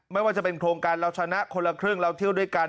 ไม่ว่าจะเป็นโครงการเราชนะคนละครึ่งเราเที่ยวด้วยกัน